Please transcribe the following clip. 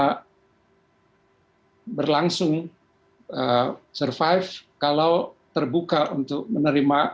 hai berlangsung survive kalau terbuka untuk menerima